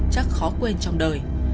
chắc khó quên trong đời